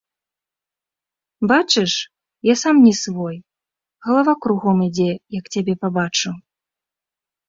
Бачыш, я сам не свой, галава кругом ідзе, як цябе пабачу.